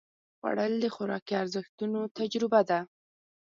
خوړل د خوراکي ارزښتونو تجربه ده